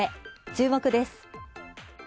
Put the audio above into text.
注目です。